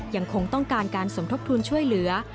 ยังคงต้องการการสมทบทุนช่วยเหลือ